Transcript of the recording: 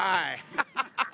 ハハハハ！